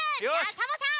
サボさん